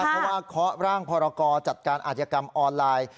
เพราะว่าเคาะร่างพรกรจัดการอาจยกรรมออนไลน์